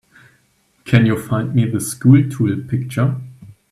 Can you find me the SchoolTool picture?